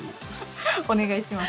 お願いします。